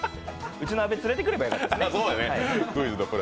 うちの阿部、連れてくればよかった。